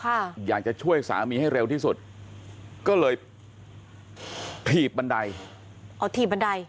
ค่ะอยากจะช่วยสามีให้เร็วที่สุดก็เลยถีบบันไดเอาถีบบันได